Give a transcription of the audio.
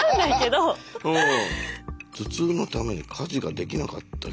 「頭痛のために家事ができなかった日」。